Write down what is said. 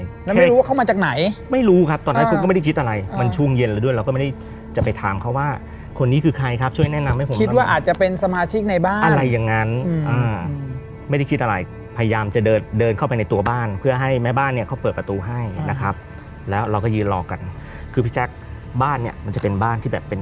แล้วไม่รู้ว่าเข้ามาจากไหนไม่รู้ครับตอนนั้นคุณก็ไม่ได้คิดอะไรมันช่วงเย็นแล้วด้วยเราก็ไม่ได้จะไปถามเขาว่าคนนี้คือใครครับช่วยแนะนำให้ผมคิดว่าอาจจะเป็นสมาชิกในบ้านอะไรอย่างนั้นไม่ได้คิดอะไรพยายามจะเดินเดินเข้าไปในตัวบ้านเพื่อให้แม่บ้านเนี่ยเขาเปิดประตูให้นะครับแล้วเราก็ยืนรอกันคือพี่แจ๊คบ้านเนี่ยมันจะเป็นบ้านที่แบบเป็น